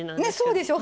そうでしょ。